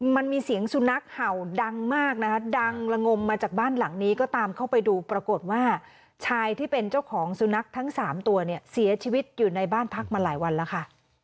มันมีเสียงสุนัขเห่าดังมากนะคะดังละงมมาจากบ้านหลังนี้ก็ตามเข้าไปดูปรากฏว่าชายที่เป็นเจ้าของสุนัขทั้ง๓ตัวเนี่ยเสียชีวิตอยู่ในบ้านพักมาหลายวันแล้วค่ะ